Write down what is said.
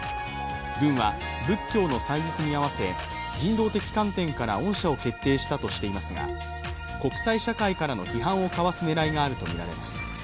軍は仏教の祭日に合わせ人道的観点から恩赦を決定したとしていますが国際社会からの批判をかわす狙いがあるとみられます。